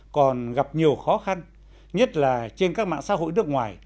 còn gặp nhiều khó khăn nhất là trên các mạng xã hội nước ngoài